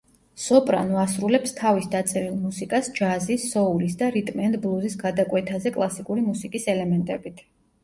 სოპრანო, ასრულებს თავის დაწერილ მუსიკას ჯაზის, სოულის და რიტმ-ენდ-ბლუზის გადაკვეთაზე კლასიკური მუსიკის ელემენტებით.